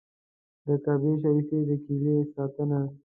د کعبې شریفې د کیلي ساتنه.